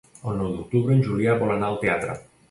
El nou d'octubre en Julià vol anar al teatre.